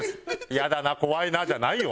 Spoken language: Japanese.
「ヤダなァ怖いな」じゃないよ